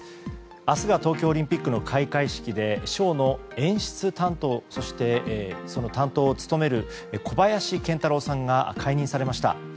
明日が東京オリンピックの開会式でショーの演出担当そして、その担当を務める小林賢太郎さんが解任されました。